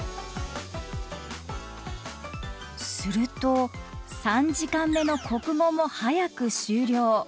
すると３時間目の国語も早く終了。